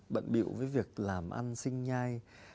bận biệu với việc làm ăn xinh nhai